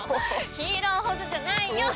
ヒーローほどじゃないよ！